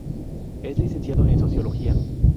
Es licenciado en sociología.